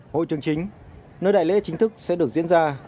hội trường chính nơi đại lễ chính thức sẽ được diễn ra